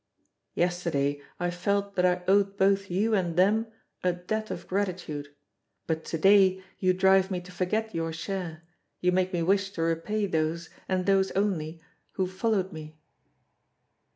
Yesterday I felt that I owed both you and them a debt of gratitude, but to day you drive me to forget your share, you make me wish to repay those, and those only, who followed me.